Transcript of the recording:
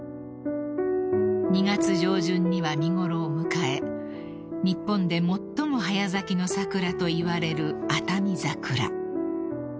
［２月上旬には見頃を迎え日本で最も早咲きの桜といわれるアタミザクラ］